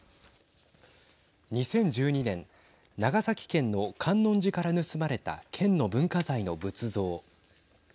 ２０１２年長崎県の観音寺から盗まれた県の文化財の仏像。